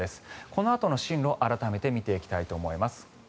このあとの進路改めて見ていきたいと思います。